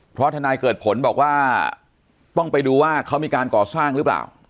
เพราะทนายเกิดผลบอกว่าต้องไปดูว่าเขามีการก่อสร้างหรือเปล่า